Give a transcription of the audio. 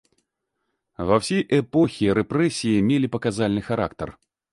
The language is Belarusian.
Ва ўсе эпохі рэпрэсіі мелі паказальны характар.